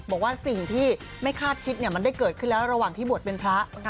บอกว่าสิ่งที่ไม่คาดคิดมันได้เกิดขึ้นแล้วระหว่างที่บวชเป็นพระ